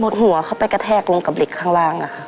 หัวเข้าไปกระแทกลงกับเหล็กข้างล่างอะค่ะ